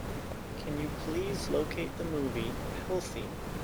Can you please locate the movie, Healthy?